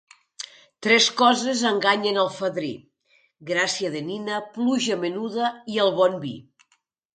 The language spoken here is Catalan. Tres coses enganyen el fadrí: gràcia de nina, pluja menuda i el bon vi.